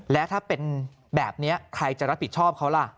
แล้วถ้าเป็นแบบนี้ใครจะรับผิดชอบเขาล่ะ